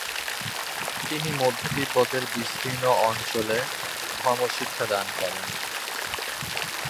তিনি মধ্য তিব্বতের বিস্তীর্ন অঞ্চলে ধর্মশিক্ষা দান করেন।